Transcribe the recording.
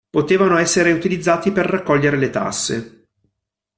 Potevano essere utilizzati per raccogliere le tasse.